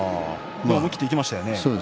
思い切っていきましたよね。